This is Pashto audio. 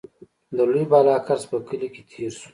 د لوی بالاکرز په کلي کې تېر شوو.